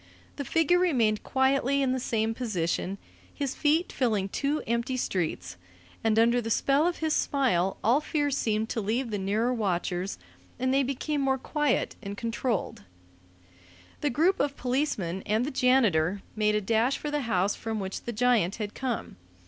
The figure remained quietly in the same position, his feet filling two empty streets, and under the spell of his smile all fear seemed to leave the nearer watchers, and they became more quiet and controlled. The group of policemen and the janitor made a dash for the house from which the giant had come.